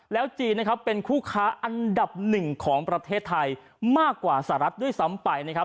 จีนนะครับเป็นคู่ค้าอันดับหนึ่งของประเทศไทยมากกว่าสหรัฐด้วยซ้ำไปนะครับ